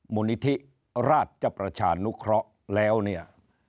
มูลนิธิราชประชานุเคราะห์แล้วเนี่ย